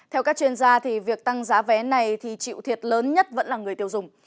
theo các chuyên gia việc tăng giá vé này thì triệu thiệt lớn nhất vẫn là người tiêu dùng